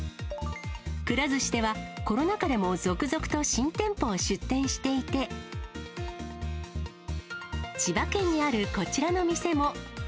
くら寿司では、コロナ禍でも続々と新店舗を出店していて、千葉県にあるこちらの店も。